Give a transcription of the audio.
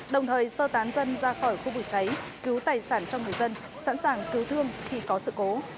đồng thời sơ tán dân ra khỏi khu vực cháy cứu tài sản cho người dân sẵn sàng cứu thương khi có sự cố